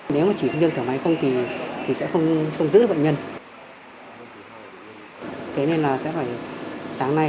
nếu mà chỉ dừng thở máy không thì sẽ không giữ được bệnh nhân